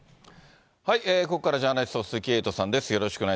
ここからは、ジャーナリストの鈴木エイトさんです。